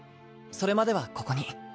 それまではここに。